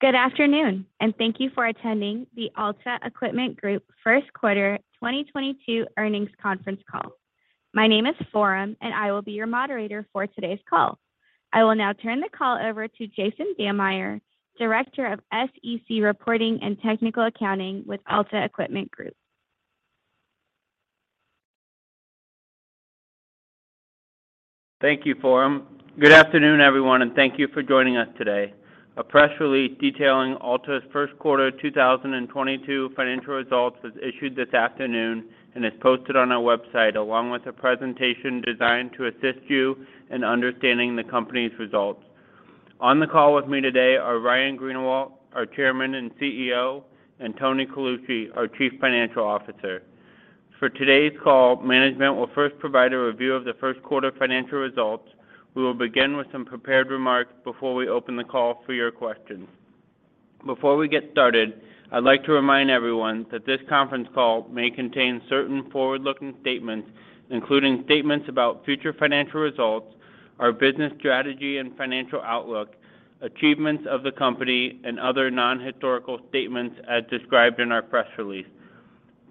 Good afternoon, and thank you for attending the Alta Equipment Group first quarter 2022 earnings conference call. My name is Florien, and I will be your moderator for today's call. I will now turn the call over to Jason Dammeyer, Director of SEC Reporting and Technical Accounting with Alta Equipment Group. Thank you, Florien. Good afternoon, everyone, and thank you for joining us today. A press release detailing Alta's first quarter 2022 financial results was issued this afternoon and is posted on our website, along with a presentation designed to assist you in understanding the company's results. On the call with me today are Ryan Greenawalt, our Chairman and CEO, and Tony Colucci, our Chief Financial Officer. For today's call, management will first provide a review of the first quarter financial results. We will begin with some prepared remarks before we open the call for your questions. Before we get started, I'd like to remind everyone that this conference call may contain certain forward-looking statements, including statements about future financial results, our business strategy and financial outlook, achievements of the company, and other non-historical statements as described in our press release.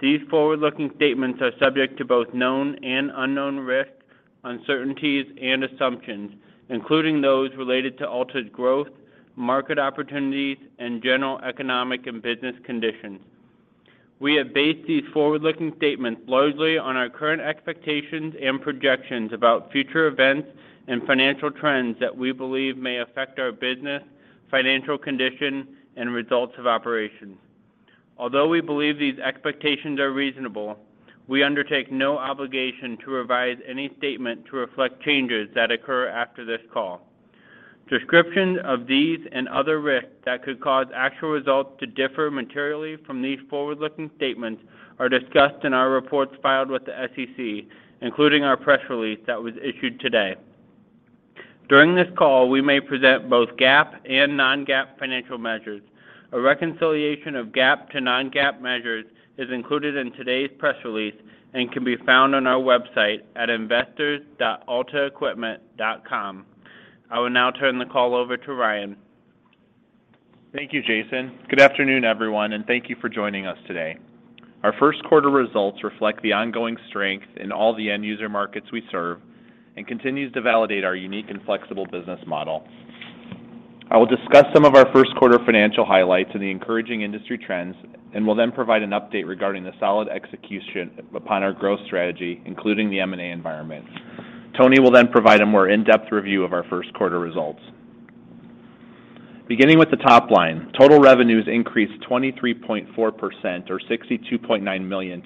These forward-looking statements are subject to both known and unknown risks, uncertainties and assumptions, including those related to Alta's growth, market opportunities, and general economic and business conditions. We have based these forward-looking statements largely on our current expectations and projections about future events and financial trends that we believe may affect our business, financial condition, and results of operations. Although we believe these expectations are reasonable, we undertake no obligation to revise any statement to reflect changes that occur after this call. Descriptions of these and other risks that could cause actual results to differ materially from these forward-looking statements are discussed in our reports filed with the SEC, including our press release that was issued today. During this call, we may present both GAAP and non-GAAP financial measures. A reconciliation of GAAP to non-GAAP measures is included in today's press release and can be found on our website at investors.altaequipment.com. I will now turn the call over to Ryan. Thank you, Jason. Good afternoon, everyone, and thank you for joining us today. Our first quarter results reflect the ongoing strength in all the end user markets we serve and continues to validate our unique and flexible business model. I will discuss some of our first quarter financial highlights and the encouraging industry trends, and will then provide an update regarding the solid execution upon our growth strategy, including the M&A environment. Tony will then provide a more in-depth review of our first quarter results. Beginning with the top line, total revenues increased 23.4% or $62.9 million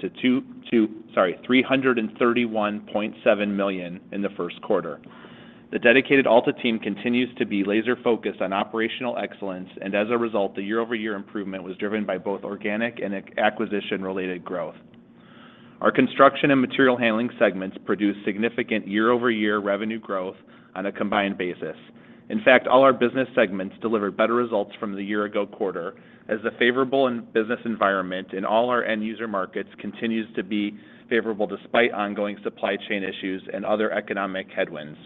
to $331.7 million in the first quarter. The dedicated Alta team continues to be laser-focused on operational excellence, and as a result, the year-over-year improvement was driven by both organic and acquisition-related growth. Our construction and material handling segments produced significant year-over-year revenue growth on a combined basis. In fact, all our business segments delivered better results from the year ago quarter as the favorable business environment in all our end user markets continues to be favorable despite ongoing supply chain issues and other economic headwinds.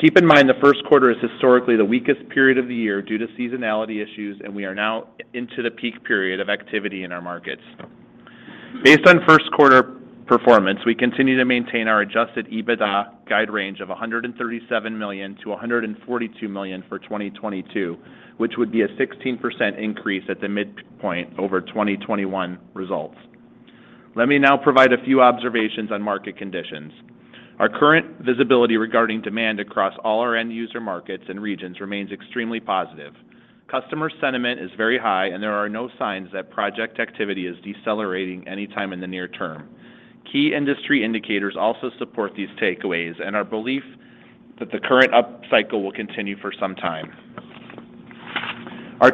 Keep in mind the first quarter is historically the weakest period of the year due to seasonality issues, and we are now into the peak period of activity in our markets. Based on first quarter performance, we continue to maintain our adjusted EBITDA guide range of $137 million-$142 million for 2022, which would be a 16% increase at the midpoint over 2021 results. Let me now provide a few observations on market conditions. Our current visibility regarding demand across all our end user markets and regions remains extremely positive. Customer sentiment is very high, and there are no signs that project activity is decelerating anytime in the near term. Key industry indicators also support these takeaways and our belief that the current up cycle will continue for some time. Our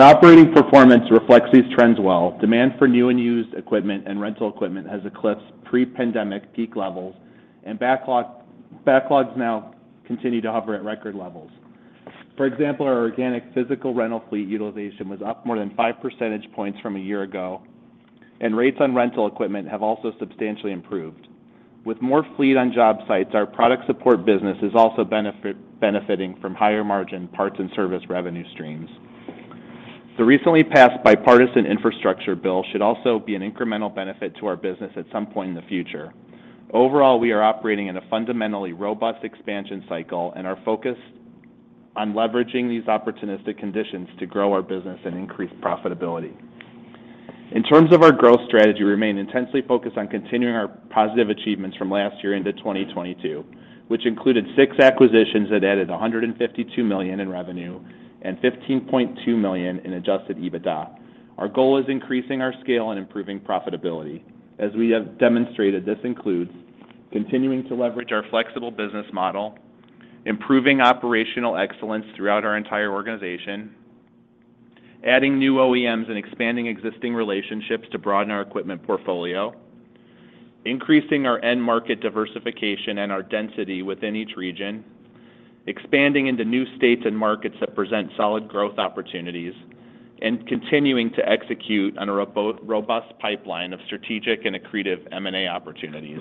operating performance reflects these trends well. Demand for new and used equipment and rental equipment has eclipsed pre-pandemic peak levels and backlogs now continue to hover at record levels. For example, our organic physical rental fleet utilization was up more than five percentage points from a year ago, and rates on rental equipment have also substantially improved. With more fleet on job sites, our product support business is also benefiting from higher margin parts and service revenue streams. The recently passed bipartisan infrastructure bill should also be an incremental benefit to our business at some point in the future. Overall, we are operating in a fundamentally robust expansion cycle and are focused on leveraging these opportunistic conditions to grow our business and increase profitability. In terms of our growth strategy, we remain intensely focused on continuing our positive achievements from last year into 2022, which included 6 acquisitions that added $152 million in revenue and $15.2 million in adjusted EBITDA. Our goal is increasing our scale and improving profitability. As we have demonstrated, this includes continuing to leverage our flexible business model, improving operational excellence throughout our entire organization, adding new OEMs and expanding existing relationships to broaden our equipment portfolio, increasing our end market diversification and our density within each region, expanding into new states and markets that present solid growth opportunities, and continuing to execute on a robust pipeline of strategic and accretive M&A opportunities.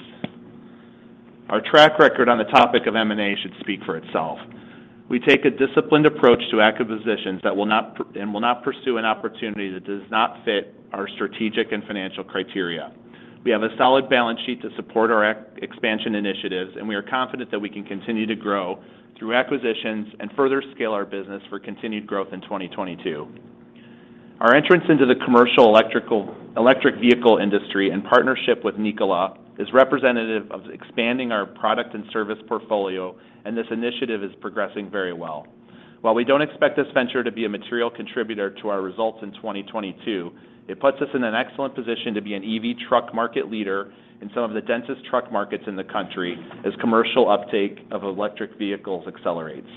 Our track record on the topic of M&A should speak for itself. We take a disciplined approach to acquisitions and will not pursue an opportunity that does not fit our strategic and financial criteria. We have a solid balance sheet to support our expansion initiatives, and we are confident that we can continue to grow through acquisitions and further scale our business for continued growth in 2022. Our entrance into the electric vehicle industry in partnership with Nikola is representative of expanding our product and service portfolio, and this initiative is progressing very well. While we don't expect this venture to be a material contributor to our results in 2022, it puts us in an excellent position to be an EV truck market leader in some of the densest truck markets in the country as commercial uptake of electric vehicles accelerates.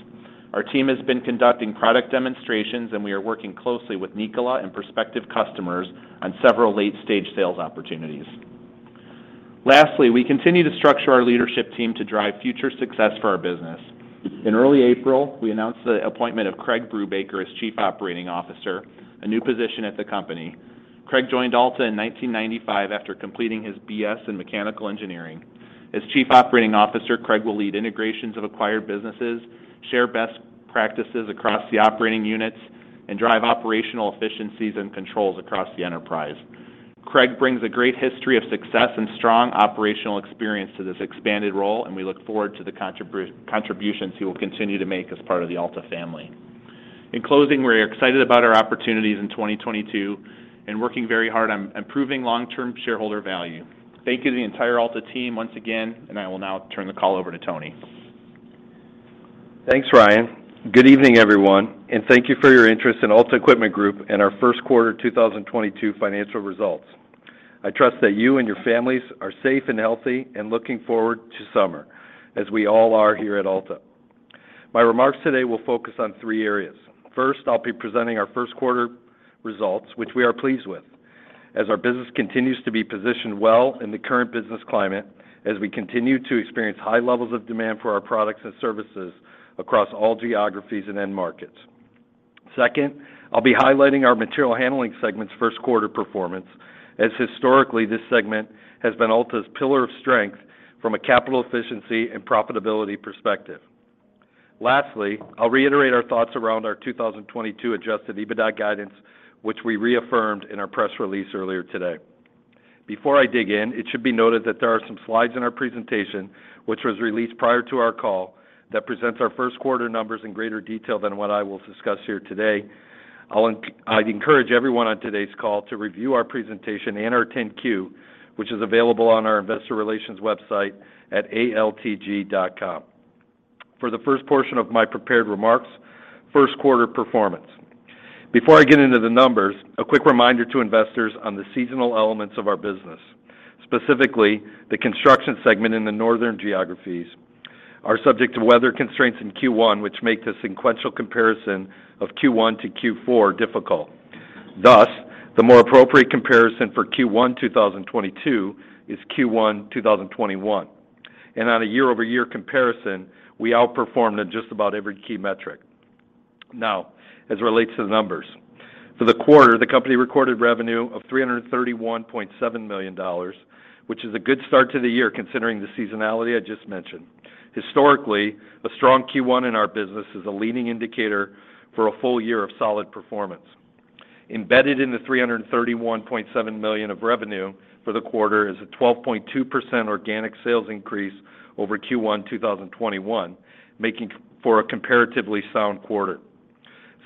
Our team has been conducting product demonstrations, and we are working closely with Nikola and prospective customers on several late-stage sales opportunities. Lastly, we continue to structure our leadership team to drive future success for our business. In early April, we announced the appointment of Craig Brubaker as Chief Operating Officer, a new position at the company. Craig joined Alta in 1995 after completing his BS in mechanical engineering. As Chief Operating Officer, Craig will lead integrations of acquired businesses, share best practices across the operating units, and drive operational efficiencies and controls across the enterprise. Craig brings a great history of success and strong operational experience to this expanded role, and we look forward to the contributions he will continue to make as part of the Alta family. In closing, we're excited about our opportunities in 2022 and working very hard on improving long-term shareholder value. Thank you to the entire Alta team once again, and I will now turn the call over to Tony. Thanks, Ryan. Good evening, everyone, and thank you for your interest in Alta Equipment Group and our first quarter 2022 financial results. I trust that you and your families are safe and healthy and looking forward to summer, as we all are here at Alta. My remarks today will focus on three areas. First, I'll be presenting our first quarter results, which we are pleased with, as our business continues to be positioned well in the current business climate as we continue to experience high levels of demand for our products and services across all geographies and end markets. Second, I'll be highlighting our Material Handling segment's first quarter performance, as historically this segment has been Alta's pillar of strength from a capital efficiency and profitability perspective. Lastly, I'll reiterate our thoughts around our 2022 adjusted EBITDA guidance, which we reaffirmed in our press release earlier today. Before I dig in, it should be noted that there are some slides in our presentation, which was released prior to our call, that presents our first quarter numbers in greater detail than what I will discuss here today. I'd encourage everyone on today's call to review our presentation and our 10-Q, which is available on our investor relations website at altg.com. For the first portion of my prepared remarks, first quarter performance. Before I get into the numbers, a quick reminder to investors on the seasonal elements of our business, specifically the Construction segment in the northern geographies are subject to weather constraints in Q1, which make the sequential comparison of Q1 to Q4 difficult. Thus, the more appropriate comparison for Q1 2022 is Q1 2021. On a year-over-year comparison, we outperformed in just about every key metric. Now, as it relates to the numbers. For the quarter, the company recorded revenue of $331.7 million, which is a good start to the year considering the seasonality I just mentioned. Historically, a strong Q1 in our business is a leading indicator for a full year of solid performance. Embedded in the $331.7 million of revenue for the quarter is a 12.2% organic sales increase over Q1 2021, making for a comparatively sound quarter.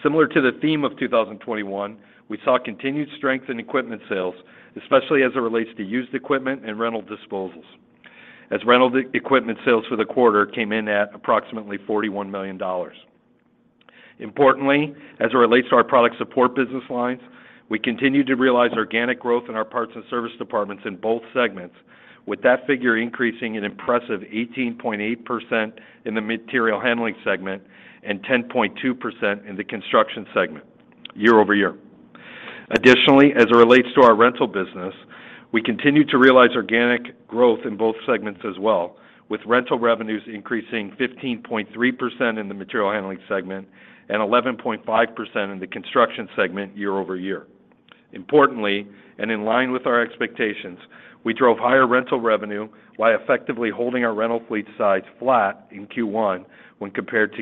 Similar to the theme of 2021, we saw continued strength in equipment sales, especially as it relates to used equipment and rental disposals, as rental equipment sales for the quarter came in at approximately $41 million. Importantly, as it relates to our product support business lines, we continue to realize organic growth in our parts and service departments in both segments, with that figure increasing an impressive 18.8% in the Material Handling segment and 10.2% in the Construction segment year-over-year. Additionally, as it relates to our rental business, we continue to realize organic growth in both segments as well, with rental revenues increasing 15.3% in the Material Handling segment and 11.5% in the Construction segment year-over-year. Importantly, in line with our expectations, we drove higher rental revenue while effectively holding our rental fleet size flat in Q1 when compared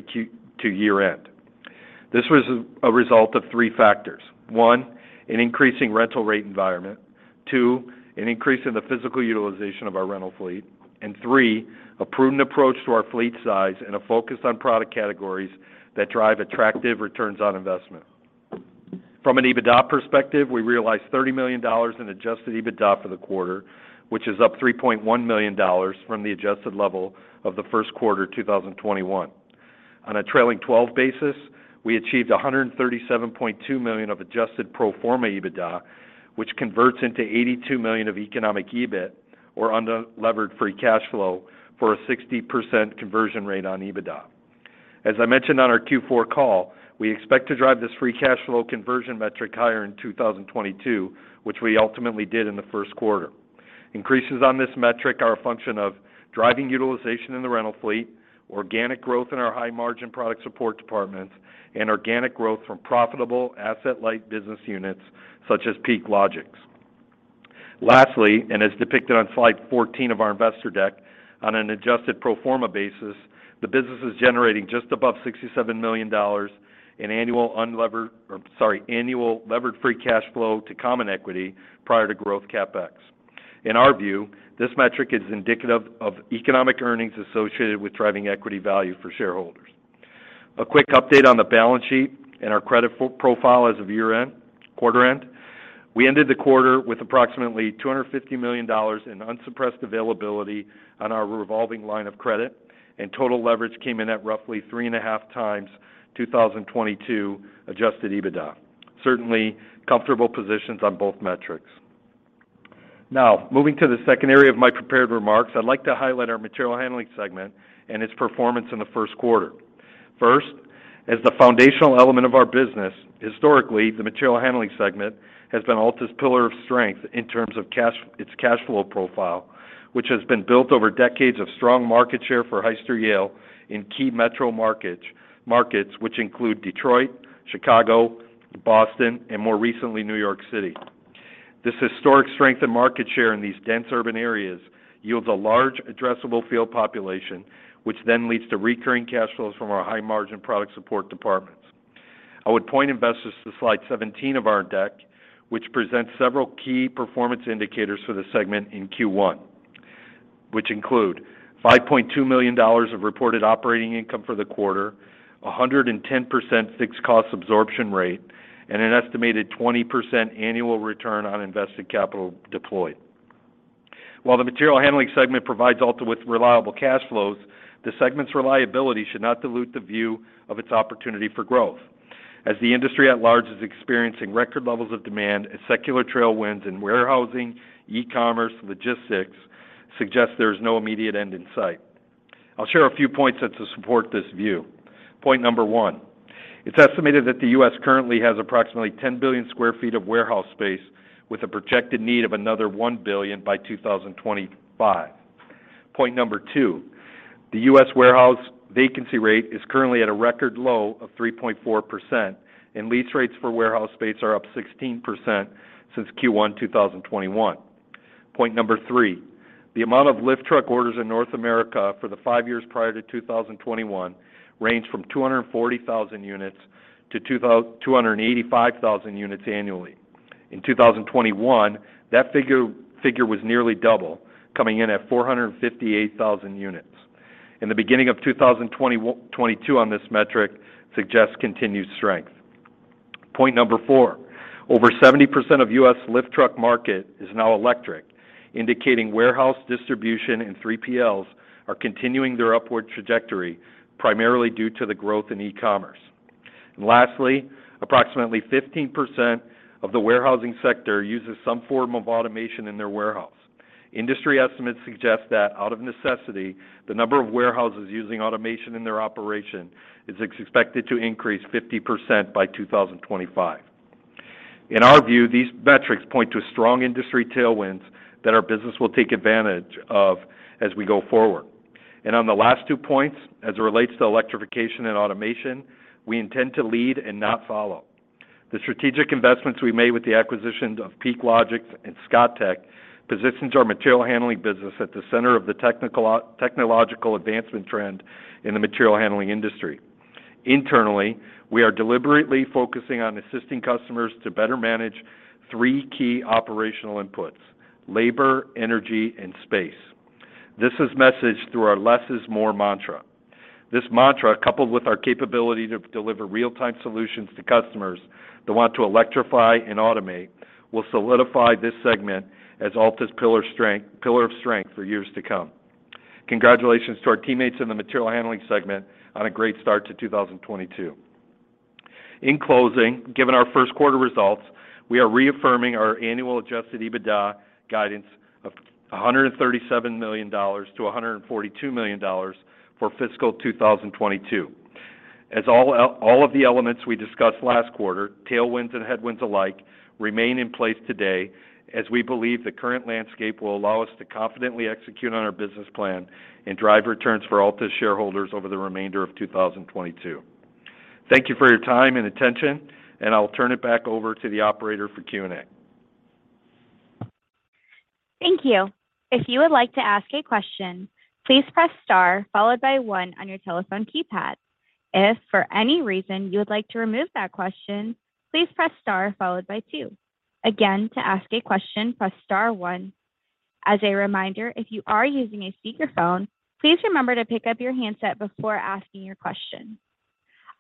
to year end. This was a result of three factors. One, an increasing rental rate environment. Two, an increase in the physical utilization of our rental fleet. Three, a prudent approach to our fleet size and a focus on product categories that drive attractive returns on investment. From an EBITDA perspective, we realized $30 million in adjusted EBITDA for the quarter, which is up $3.1 million from the adjusted level of the first quarter 2021. On a trailing twelve basis, we achieved $137.2 million of adjusted pro forma EBITDA, which converts into $82 million of economic EBIT or unlevered free cash flow for a 60% conversion rate on EBITDA. I mentioned on our Q4 call, we expect to drive this free cash flow conversion metric higher in 2022, which we ultimately did in the first quarter. Increases on this metric are a function of driving utilization in the rental fleet, organic growth in our high margin product support departments, and organic growth from profitable asset light business units such as PeakLogix. Lastly, as depicted on slide 14 of our investor deck, on an adjusted pro forma basis, the business is generating just above $67 million in annual levered free cash flow to common equity prior to growth CapEx. In our view, this metric is indicative of economic earnings associated with driving equity value for shareholders. A quick update on the balance sheet and our credit profile as of year-end, quarter end. We ended the quarter with approximately $250 million in unused availability on our revolving line of credit, and total leverage came in at roughly 3.5x 2022 adjusted EBITDA. Certainly comfortable positions on both metrics. Now, moving to the second area of my prepared remarks, I'd like to highlight our material handling segment and its performance in the first quarter. First, as the foundational element of our business, historically, the material handling segment has been Alta's pillar of strength in terms of cash, its cash flow profile, which has been built over decades of strong market share for Hyster-Yale in key metro markets which include Detroit, Chicago, Boston, and more recently, New York City. This historic strength and market share in these dense urban areas yields a large addressable field population, which then leads to recurring cash flows from our high margin product support departments. I would point investors to slide 17 of our deck, which presents several key performance indicators for the segment in Q1, which include $5.2 million of reported operating income for the quarter, a 110% fixed cost absorption rate, and an estimated 20% annual return on invested capital deployed. While the material handling segment provides Alta with reliable cash flows, the segment's reliability should not dilute the view of its opportunity for growth. As the industry at large is experiencing record levels of demand and secular tailwinds in warehousing, e-commerce, logistics suggest there is no immediate end in sight. I'll share a few points to support this view. Point number one. It's estimated that the U.S. currently has approximately 10 billion sq ft of warehouse space with a projected need of another 1 billion by 2025. Point number two. The U.S. warehouse vacancy rate is currently at a record low of 3.4%, and lease rates for warehouse space are up 16% since Q1 2021. Point number three: The amount of lift truck orders in North America for the 5 years prior to 2021 ranged from 240,000 units to 285,000 units annually. In 2021, that figure was nearly double, coming in at 458,000 units. In the beginning of 2022 on this metric suggests continued strength. Point number four: Over 70% of U.S. lift truck market is now electric, indicating warehouse distribution and 3PLs are continuing their upward trajectory, primarily due to the growth in e-commerce. Lastly, approximately 15% of the warehousing sector uses some form of automation in their warehouse. Industry estimates suggest that out of necessity, the number of warehouses using automation in their operation is expected to increase 50% by 2025. In our view, these metrics point to strong industry tailwinds that our business will take advantage of as we go forward. On the last two points, as it relates to electrification and automation, we intend to lead and not follow. The strategic investments we made with the acquisitions of PeakLogix and ScottTech positions our material handling business at the center of the technological advancement trend in the material handling industry. Internally, we are deliberately focusing on assisting customers to better manage three key operational inputs, labor, energy, and space. This is messaged through our less is more mantra. This mantra, coupled with our capability to deliver real-time solutions to customers that want to electrify and automate, will solidify this segment as Alta's pillar of strength for years to come. Congratulations to our teammates in the material handling segment on a great start to 2022. In closing, given our first quarter results, we are reaffirming our annual adjusted EBITDA guidance of $137 million-$142 million for fiscal 2022. All of the elements we discussed last quarter, tailwinds and headwinds alike, remain in place today as we believe the current landscape will allow us to confidently execute on our business plan and drive returns for Alta shareholders over the remainder of 2022. Thank you for your time and attention, and I'll turn it back over to the operator for Q&A. Thank you. If you would like to ask a question, please press star followed by one on your telephone keypad. If for any reason you would like to remove that question, please press star followed by two. Again, to ask a question, press star one. As a reminder, if you are using a speakerphone, please remember to pick up your handset before asking your question.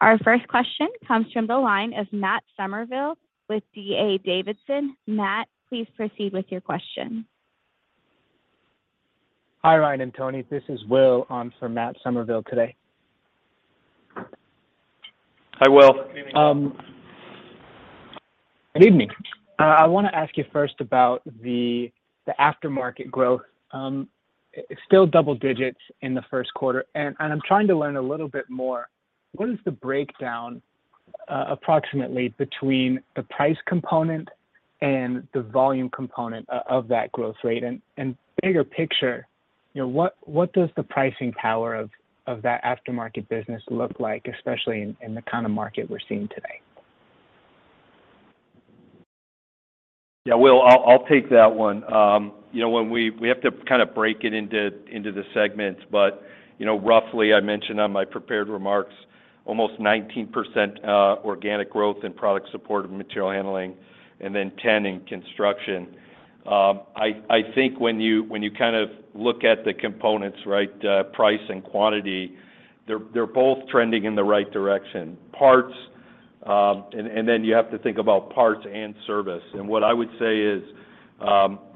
Our first question comes from the line of Matt Summerville with D.A. Davidson. Matt, please proceed with your question. Hi, Ryan and Tony. This is Will on for Matt Summerville today. Hi, Will. Good evening. I wanna ask you first about the aftermarket growth. It's still double digits in the first quarter, and I'm trying to learn a little bit more. What is the breakdown, approximately between the price component and the volume component of that growth rate? Bigger picture, you know, what does the pricing power of that aftermarket business look like, especially in the kind of market we're seeing today? Yeah, Will, I'll take that one. You know, when we have to kind of break it into the segments. You know, roughly, I mentioned on my prepared remarks, almost 19% organic growth in product support of material handling and then 10% in construction. I think when you kind of look at the components, right, price and quantity, they're both trending in the right direction. Parts and then you have to think about parts and service. What I would say is,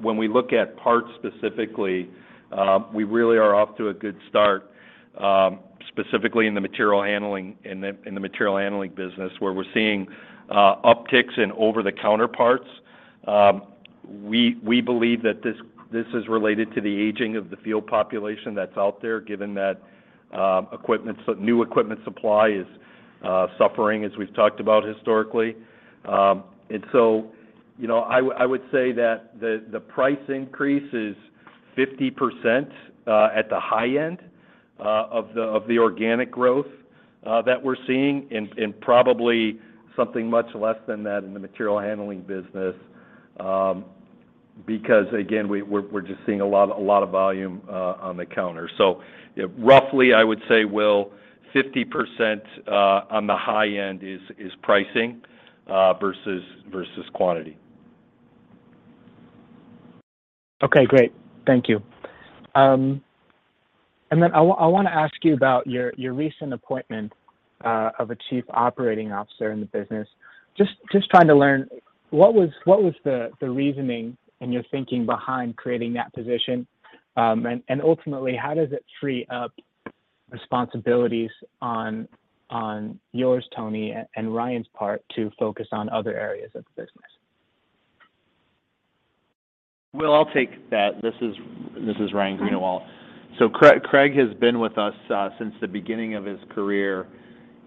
when we look at parts specifically, we really are off to a good start, specifically in the material handling business, where we're seeing upticks in over-the-counter parts. We believe that this is related to the aging of the field population that's out there, given that new equipment supply is suffering, as we've talked about historically. You know, I would say that the price increase is 50% at the high end of the organic growth that we're seeing, and probably something much less than that in the material handling business, because again, we're just seeing a lot of volume on the counter. Roughly, I would say, Will, 50% on the high end is pricing versus quantity. Okay, great. Thank you. I wanna ask you about your recent appointment of a chief operating officer in the business. Just trying to learn, what was the reasoning in your thinking behind creating that position? Ultimately, how does it free up responsibilities on yours, Tony, and Ryan's part to focus on other areas of the business? Will, I'll take that. This is Ryan Greenawalt. Craig has been with us since the beginning of his career,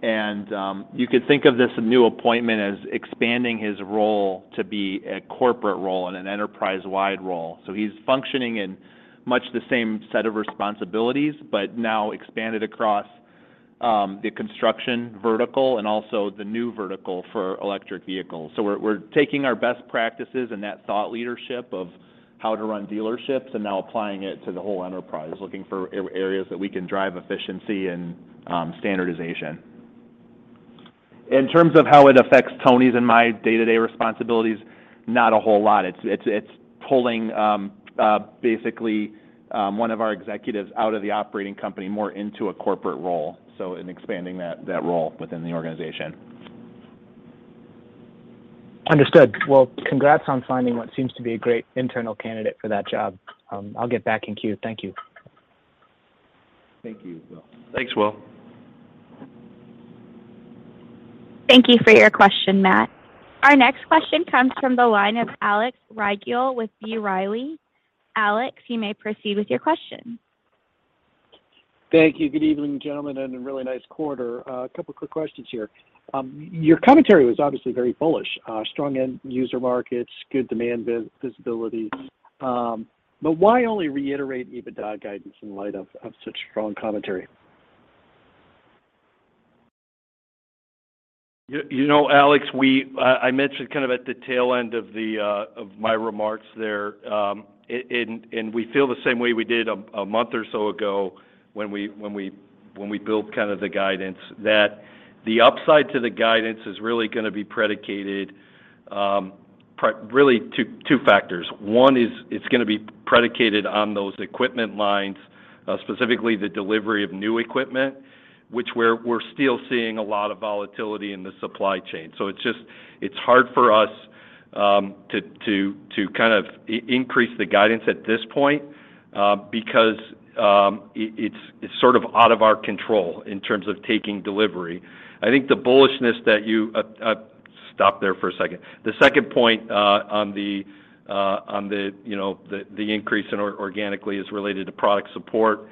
and you could think of this new appointment as expanding his role to be a corporate role and an enterprise-wide role. He's functioning in much the same set of responsibilities, but now expanded across the construction vertical and also the new vertical for electric vehicles. We're taking our best practices and that thought leadership of how to run dealerships and now applying it to the whole enterprise, looking for areas that we can drive efficiency and standardization. In terms of how it affects Tony's and my day-to-day responsibilities, not a whole lot. It's pulling basically one of our executives out of the operating company more into a corporate role and expanding that role within the organization. Understood. Well, congrats on finding what seems to be a great internal candidate for that job. I'll get back in queue. Thank you. Thank you, Will. Thanks, Will. Thank you for your question, Matt. Our next question comes from the line of Alex Rygiel with B. Riley. Alex, you may proceed with your question. Thank you. Good evening, gentlemen, and a really nice quarter. A couple quick questions here. Your commentary was obviously very bullish, strong end user markets, good demand visibility. Why only reiterate EBITDA guidance in light of such strong commentary? You know, Alex, we, I mentioned kind of at the tail end of my remarks there, and we feel the same way we did a month or so ago when we built kind of the guidance that the upside to the guidance is really gonna be predicated on really two factors. One is it's gonna be predicated on those equipment lines, specifically the delivery of new equipment, which we're still seeing a lot of volatility in the supply chain. So it's just, it's hard for us to kind of increase the guidance at this point, because it's sort of out of our control in terms of taking delivery. I think the bullishness that you. Stop there for a second. The second point on the increase in organically is related to product support.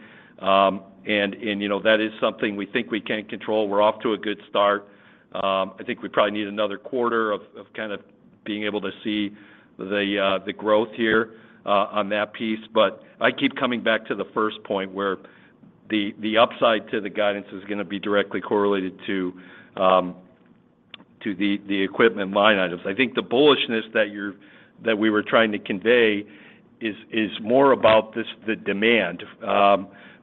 That is something we think we can control. We're off to a good start. I think we probably need another quarter of kind of being able to see the growth here on that piece. I keep coming back to the first point where the upside to the guidance is gonna be directly correlated to the equipment line items. I think the bullishness that we were trying to convey is more about the demand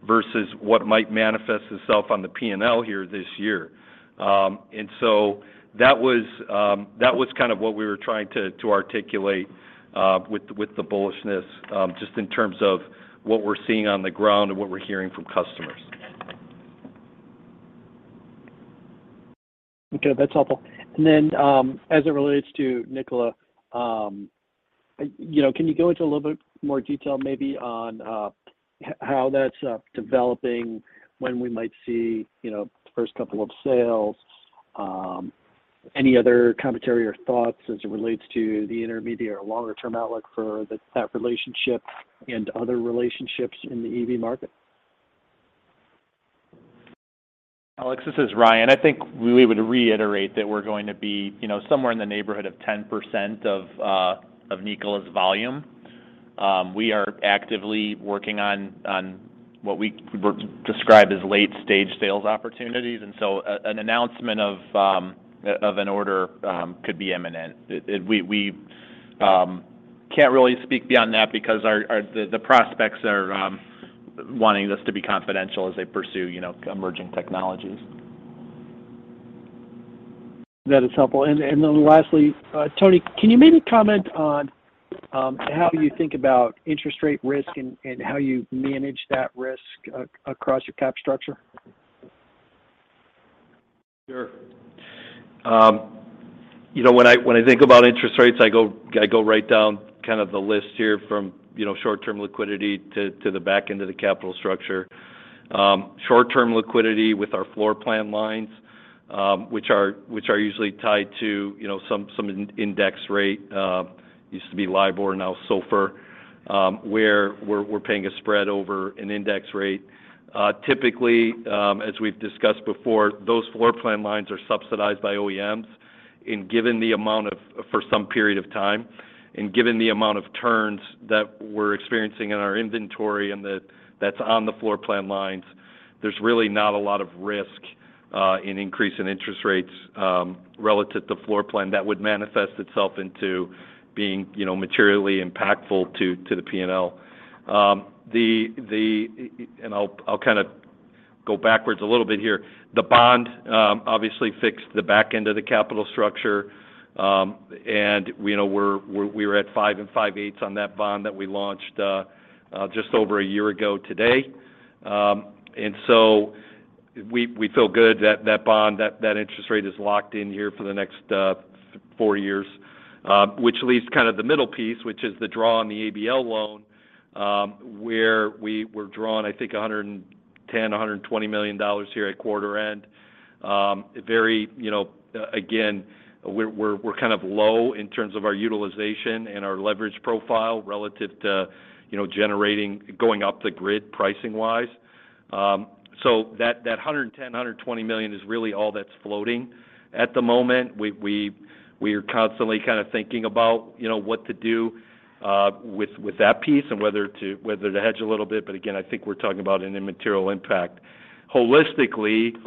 versus what might manifest itself on the P&L here this year. That was kind of what we were trying to articulate with the bullishness, just in terms of what we're seeing on the ground and what we're hearing from customers. Okay, that's helpful. Then, as it relates to Nikola, you know, can you go into a little bit more detail maybe on how that's developing, when we might see, you know, the first couple of sales? Any other commentary or thoughts as it relates to the intermediate or longer-term outlook for that relationship and other relationships in the EV market? Alex, this is Ryan. I think we would reiterate that we're going to be, you know, somewhere in the neighborhood of 10% of Nikola's volume. We are actively working on what we would describe as late-stage sales opportunities. An announcement of an order could be imminent. We can't really speak beyond that because our prospects are wanting this to be confidential as they pursue, you know, emerging technologies. That is helpful. Lastly, Tony, can you maybe comment on how you think about interest rate risk and how you manage that risk across your capital structure? Sure. You know, when I think about interest rates, I go right down kind of the list here from you know, short-term liquidity to the back end of the capital structure. Short-term liquidity with our floor plan lines, which are usually tied to you know, some index rate, used to be LIBOR, now SOFR, where we're paying a spread over an index rate. Typically, as we've discussed before, those floor plan lines are subsidized by OEMs. Given the amount of For some period of time, and given the amount of turns that we're experiencing in our inventory and that's on the floor plan lines, there's really not a lot of risk in an increase in interest rates relative to floor plan that would manifest itself into being, you know, materially impactful to the P&L. I'll kinda go backwards a little bit here. The bond obviously fixed the back end of the capital structure. You know, we were at 5.625 on that bond that we launched just over a year ago today. We feel good that that bond, that interest rate is locked in here for the next four years. Which leaves kind of the middle piece, which is the draw on the ABL loan, where we were drawn, I think, $110-$120 million here at quarter end. Very, you know, again, we're kind of low in terms of our utilization and our leverage profile relative to, you know, generating, going up the grid pricing-wise. So that $110-$120 million is really all that's floating at the moment. We are constantly kinda thinking about, you know, what to do with that piece and whether to hedge a little bit. Again, I think we're talking about an immaterial impact. Holistically,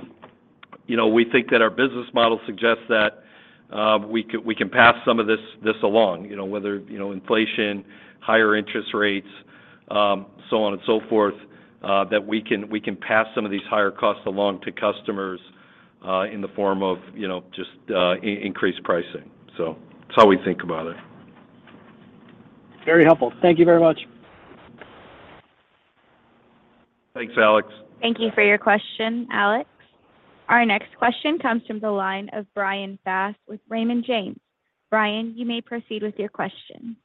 you know, we think that our business model suggests that we can pass some of this along, you know, whether, you know, inflation, higher interest rates, so on and so forth, that we can pass some of these higher costs along to customers, in the form of, you know, just, increased pricing. That's how we think about it. Very helpful. Thank you very much. Thanks, Alex. Thank you for your question, Alex. Our next question comes from the line of Bryan Fast with Raymond James. Bryan, you may proceed with your question.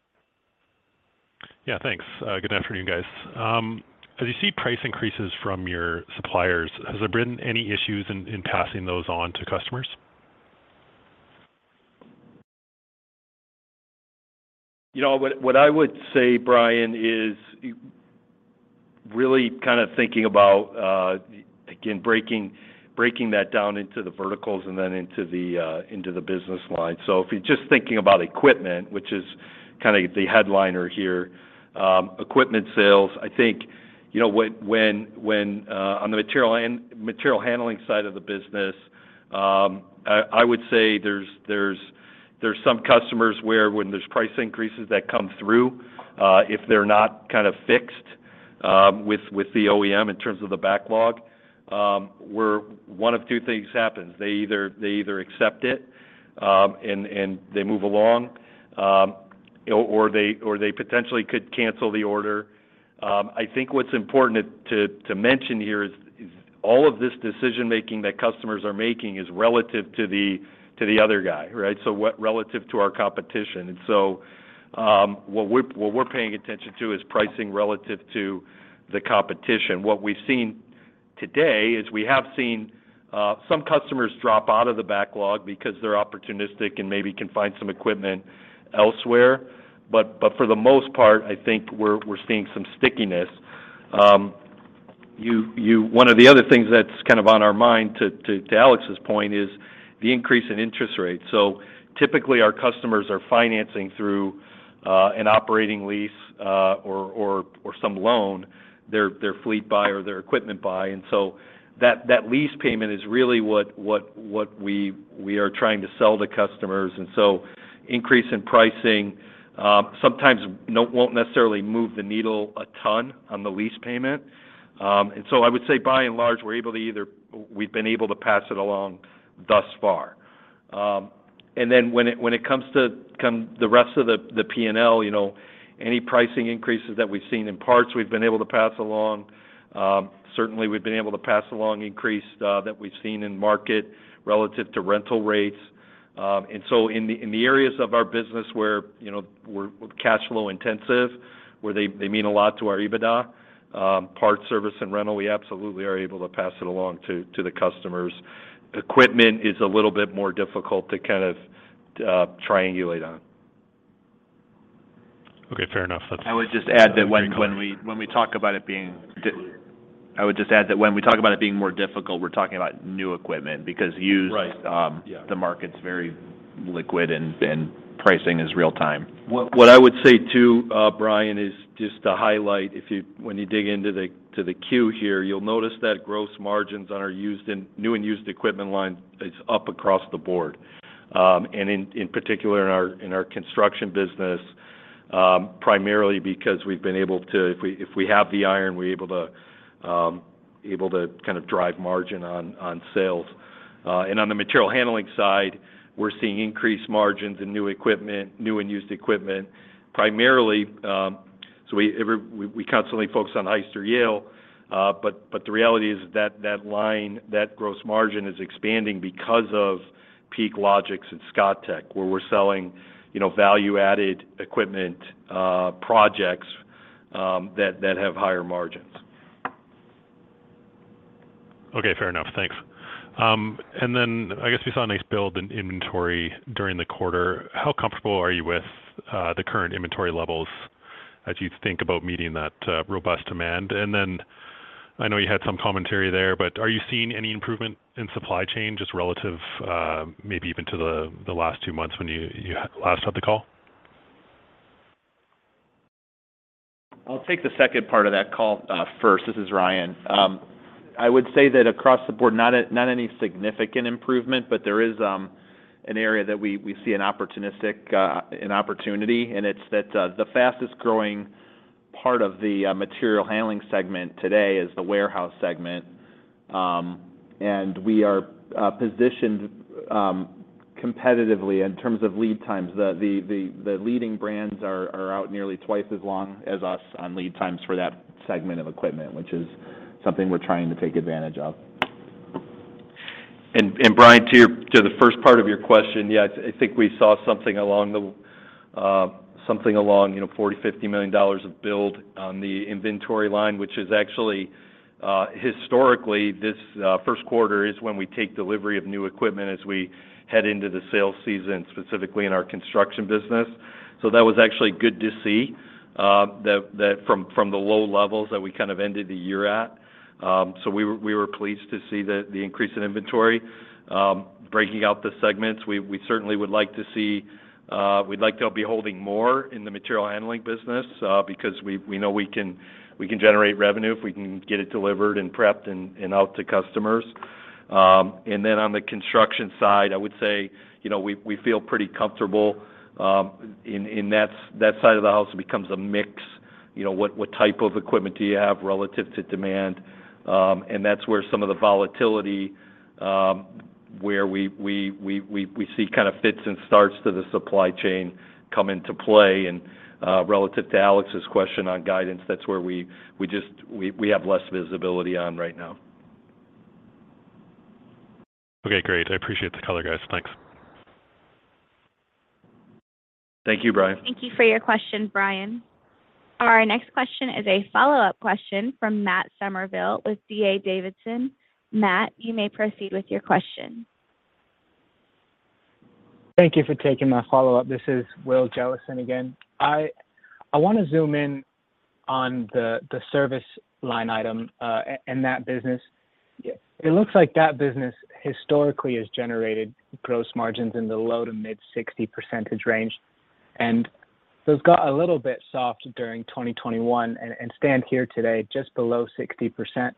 Yeah, thanks. Good afternoon, guys. As you see price increases from your suppliers, has there been any issues in passing those on to customers? You know, what I would say, Brian, is really kinda thinking about, again, breaking that down into the verticals and then into the business line. So if you're just thinking about equipment, which is kinda the headliner here, equipment sales, I think, you know, when on the material handling side of the business, I would say there's some customers where when there's price increases that come through, if they're not kind of fixed with the OEM in terms of the backlog, where one of two things happens. They either accept it and they move along, or they potentially could cancel the order. I think what's important to mention here is all of this decision-making that customers are making is relative to the other guy, right? Relative to our competition. What we're paying attention to is pricing relative to the competition. What we've seen today is some customers drop out of the backlog because they're opportunistic and maybe can find some equipment elsewhere. But for the most part, I think we're seeing some stickiness. One of the other things that's kind of on our mind to Alex's point is the increase in interest rates. Typically, our customers are financing through an operating lease or some loan their fleet buy or their equipment buy. That lease payment is really what we are trying to sell to customers. Increase in pricing sometimes won't necessarily move the needle a ton on the lease payment. I would say by and large, we've been able to pass it along thus far. When it comes to the rest of the P&L, any pricing increases that we've seen in parts, we've been able to pass along. Certainly we've been able to pass along increase that we've seen in market relative to rental rates. In the areas of our business where, you know, we're cash flow intensive, where they mean a lot to our EBITDA, parts, service, and rental, we absolutely are able to pass it along to the customers. Equipment is a little bit more difficult to kind of triangulate on. Okay, fair enough. I would just add that when. Great color. when we talk about it being more difficult, I would just add that when we talk about it being more difficult, we're talking about new equipment because used Right. Yeah The market's very liquid and pricing is real time. What I would say too, Bryan, is just to highlight when you dig into the Q here, you'll notice that gross margins on our new and used equipment line is up across the board. And in particular in our construction business, primarily because we've been able to. If we have the iron, we're able to kind of drive margin on sales. And on the material handling side, we're seeing increased margins in new equipment, new and used equipment, primarily, so we constantly focus on Hyster-Yale, but the reality is that that line, that gross margin is expanding because of PeakLogix and ScottTech, where we're selling, you know, value-added equipment, projects, that have higher margins. Okay. Fair enough. Thanks. I guess we saw a nice build in inventory during the quarter. How comfortable are you with the current inventory levels as you think about meeting that robust demand? I know you had some commentary there, but are you seeing any improvement in supply chain just relative, maybe even to the last two months when you last had the call? I'll take the second part of that call first. This is Ryan. I would say that across the board, not any significant improvement, but there is an area that we see an opportunity, and it's that the fastest growing part of the material handling segment today is the warehouse segment. We are positioned competitively in terms of lead times. The leading brands are out nearly twice as long as us on lead times for that segment of equipment, which is something we're trying to take advantage of. Bryan, to the first part of your question, yes, I think we saw something along, you know, $40-$50 million of build on the inventory line, which is actually historically, this first quarter is when we take delivery of new equipment as we head into the sales season, specifically in our construction business. That was actually good to see, that from the low levels that we kind of ended the year at. So we were pleased to see the increase in inventory. Breaking out the segments, we certainly would like to see, we'd like to be holding more in the material handling business, because we know we can generate revenue if we can get it delivered and prepped and out to customers. On the construction side, I would say, you know, we feel pretty comfortable in that. That side of the house becomes a mix. You know, what type of equipment do you have relative to demand? That's where some of the volatility, where we see kind of fits and starts to the supply chain come into play. Relative to Alex's question on guidance, that's where we just have less visibility on right now. Okay, great. I appreciate the color, guys. Thanks. Thank you, Bryan. Thank you for your question, Bryan. Our next question is a follow-up question from Matt Summerville with D.A. Davidson. Matt, you may proceed with your question. Thank you for taking my follow-up. This is Will Jellison again. I wanna zoom in on the service line item, and that business. Yes. It looks like that business historically has generated gross margins in the low- to mid-60% range, and those got a little bit soft during 2021 and stand here today just below 60%. Can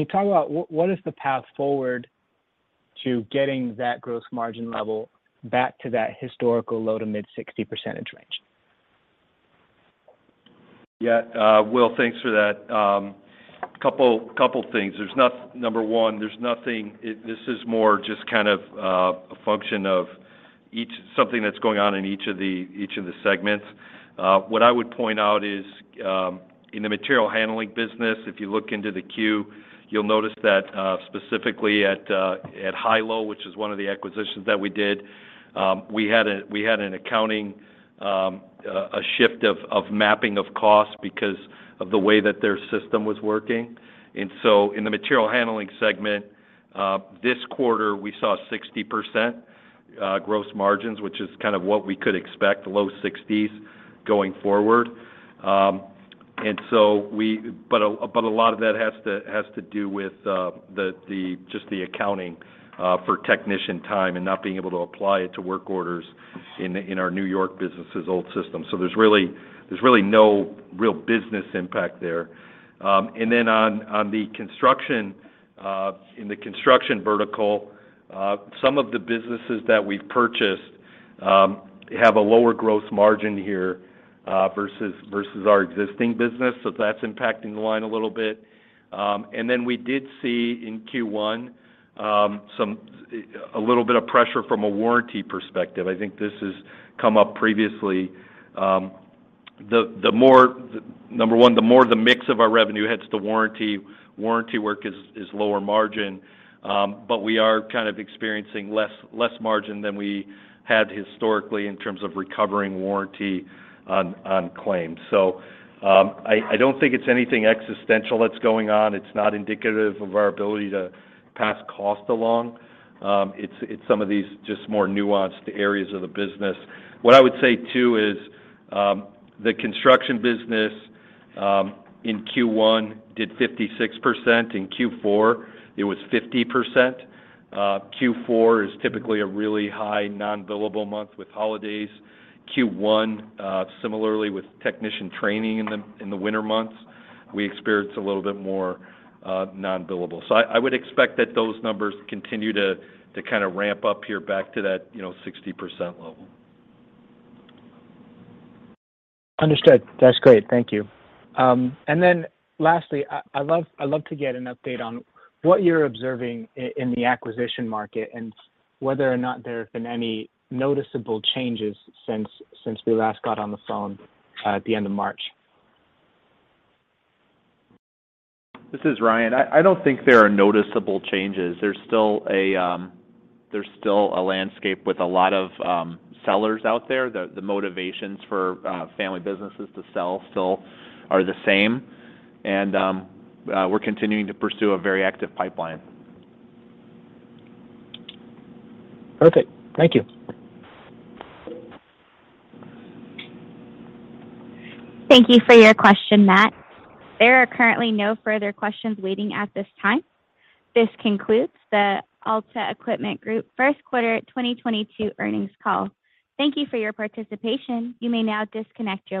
you talk about what is the path forward to getting that gross margin level back to that historical low- to mid-60% range? Yeah. Will, thanks for that. Couple things. Number one, there's nothing. This is more just kind of a function of something that's going on in each of the segments. What I would point out is, in the material handling business, if you look into the 10-Q, you'll notice that, specifically at, which is one of the acquisitions that we did, we had an accounting shift of mapping of costs because of the way that their system was working. In the material handling segment, this quarter, we saw 60% gross margins, which is kind of what we could expect, low 60s% going forward. A lot of that has to do with just the accounting for technician time and not being able to apply it to work orders in our New York business' old system. There's really no real business impact there. On the construction in the construction vertical, some of the businesses that we've purchased have a lower gross margin here versus our existing business, so that's impacting the line a little bit. We did see in Q1 a little bit of pressure from a warranty perspective. I think this has come up previously, number one, the more the mix of our revenue heads to warranty work is lower margin, but we are kind of experiencing less margin than we had historically in terms of recovering warranty on claims. I don't think it's anything existential that's going on. It's not indicative of our ability to pass cost along. It's some of these just more nuanced areas of the business. What I would say too is, the construction business in Q1 did 56%. In Q4, it was 50%. Q4 is typically a really high non-billable month with holidays. Q1, similarly with technician training in the winter months, we experience a little bit more non-billable. I would expect that those numbers continue to kinda ramp up here back to that, you know, 60% level. Understood. That's great. Thank you. Lastly, I'd love to get an update on what you're observing in the acquisition market and whether or not there have been any noticeable changes since we last got on the phone at the end of March. This is Ryan. I don't think there are noticeable changes. There's still a landscape with a lot of sellers out there. The motivations for family businesses to sell still are the same. We're continuing to pursue a very active pipeline. Okay. Thank you. Thank you for your question, Matt. There are currently no further questions waiting at this time. This concludes the Alta Equipment Group first quarter 2022 earnings call. Thank you for your participation. You may now disconnect your lines.